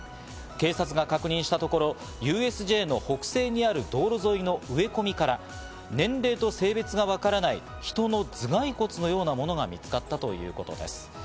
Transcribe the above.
警察が確認したところ、ＵＳＪの北西にある道路沿いの植え込みから年齢と性別がわからない人の頭蓋骨のようなものが見つかったということです。